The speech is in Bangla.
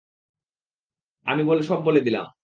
আমি সব বলে দিলাম!